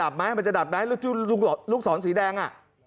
ดับไหมมันจะดับไหมลูกศรสีแดง